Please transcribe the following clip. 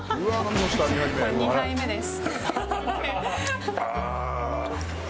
２杯目です。